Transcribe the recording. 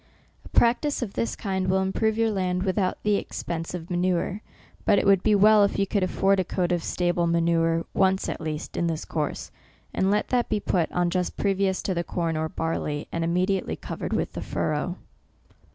A practice of this kind will improve your land without the expense of manure ; but it would be well if you could afford a coat of stable manure, once, at least, in this course ; and let that be put on just previous to the corn or barley, and immediately covered with the furrow.